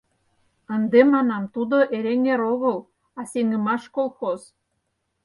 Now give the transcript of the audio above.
— Ынде, манам, тудо Эреҥер огыл, а «Сеҥымаш» колхоз...